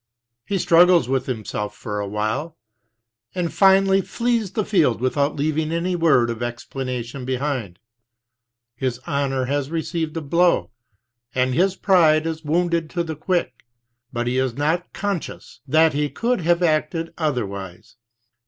He struggles with himself for a while, and finally flees the field without leaving any word of explana tion behind. His honor has received a blow and his pride is wounded to the quick, but he is not conscious that he could have acted otherwise.